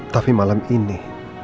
tapi malam ini